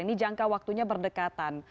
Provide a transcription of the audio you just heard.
ini jangka waktunya berdekatan